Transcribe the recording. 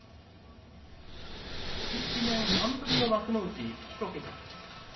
１年半ぶりの幕内１桁。